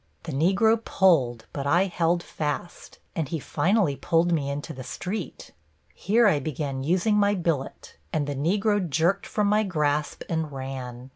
The Negro pulled, but I held fast, and he finally pulled me into the street. Here I began using my billet, and the Negro jerked from my grasp and ran.